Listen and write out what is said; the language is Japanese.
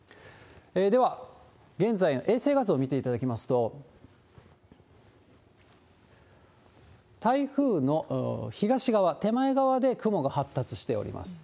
では、現在の衛星画像見ていただきますと、台風の東側、手前側で雲が発達しております。